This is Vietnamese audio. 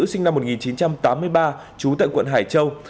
sinh năm một nghìn chín trăm tám mươi ba trú tại quận hải châu